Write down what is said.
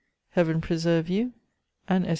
Heaven preserve you, and S.